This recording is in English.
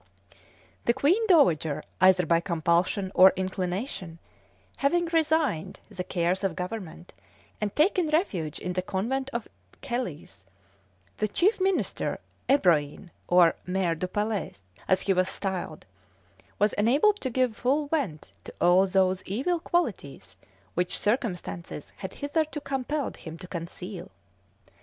The queen dowager, either by compulsion or inclination, having resigned the cares of government, and taken refuge in the convent of Chelles, the chief minister, Ebroin, or Maire du Palais, as he was styled, was enabled to give full vent to all those evil qualities which circumstances had hitherto compelled him to conceal.